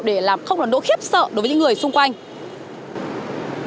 để làm không đổ khiếp sợ đối với những người xung quanh